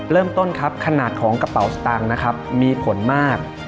เริ่มต้นครับขนาดของกระเป๋าสตางค์นะครับมีผลมาก